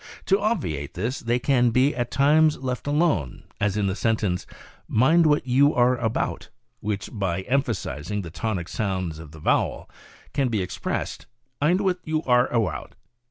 To obviate this they can be at times left alone, as in the sentence, " Mind what you are about," which, by emphasizing the tonic sounds of the vowels, cau be expressed, " 'ind what you are awout."